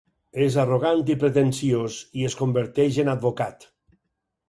És arrogant i pretensiós i es converteix en advocat.